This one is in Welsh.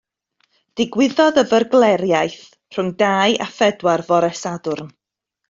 Digwyddodd y fyrgleriaeth rhwng dau a phedwar fore Sadwrn.